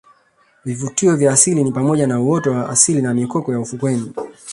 Vivutio vya asili ni pamoja na uoto wa asili na mikoko ya ufukweni